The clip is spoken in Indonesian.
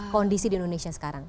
kondisi di indonesia sekarang